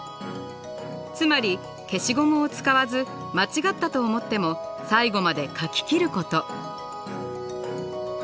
つまり消しゴムを使わず間違ったと思っても最後まで描き切ること。